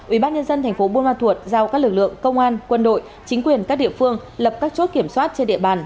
ubnd tp buôn ma thuột giao các lực lượng công an quân đội chính quyền các địa phương lập các chốt kiểm soát trên địa bàn